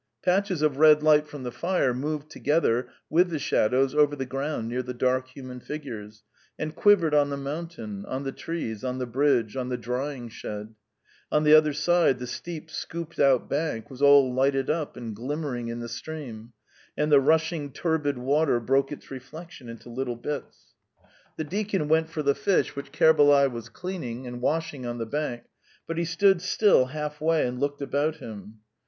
Patches of red light from the fire moved together with the shadows over the ground near the dark human figures, and quivered on the mountain, on the trees, on the bridge, on the drying shed; on the other side the steep, scooped out bank was all lighted up and glimmering in the stream, and the rushing turbid water broke its reflection into little bits. The deacon went for the fish which Kerbalay was cleaning and washing on the bank, but he stood still half way and looked about him.